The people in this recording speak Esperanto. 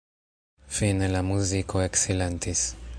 Fine la muziko eksilentis.